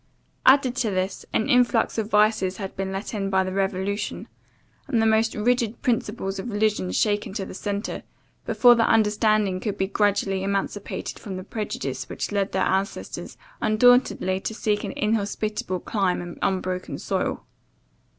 Added to this, an influx of vices had been let in by the Revolution, and the most rigid principles of religion shaken to the centre, before the understanding could be gradually emancipated from the prejudices which led their ancestors undauntedly to seek an inhospitable clime and unbroken soil.